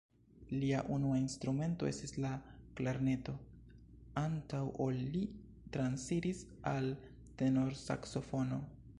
Lia unua instrumento estis la klarneto, antaŭ ol li transiris al tenorsaksofono.